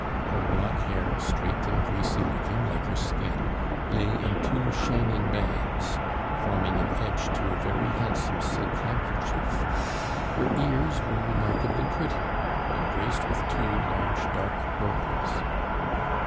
Her black hair, straight and greasy looking like her skin, lay in two shining bands, forming an edge to a very handsome silk handkerchief. Her ears were remarkably pretty, and graced with two large dark pearls.